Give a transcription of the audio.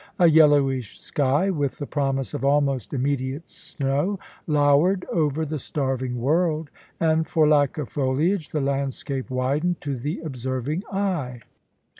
A yellowish sky, with the promise of almost immediate snow, lowered over the starving world, and, for lack of foliage, the landscape widened to the observing eye.